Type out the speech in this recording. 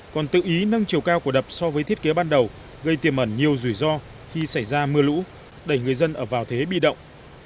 còn tự ý nâng chiều cao của đập so với thiết kế ban đầu gây tiềm ẩn nhiều rủi ro khi xảy ra mưa lũ đẩy người dân vào thế bị động